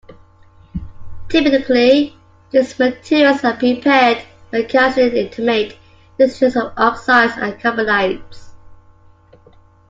Typically these materials are prepared by calcining intimate mixtures of oxides and carbonates.